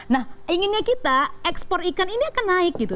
nah inginnya kita ekspor ikan ini akan naik gitu